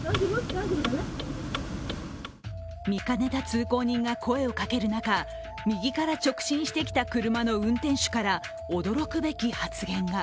見かねた通行人が声をかける中、右から直進してきた車の運転手から驚くべき発言が。